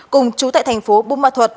cùng chú tại thành phố bung ma thuật